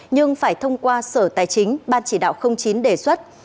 nhưng phải thông qua sở tài chính ban chỉ đạo chín đề xuất